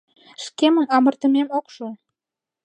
Шкемым амыртымем ок шу.